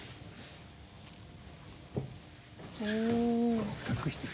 そう隠していく。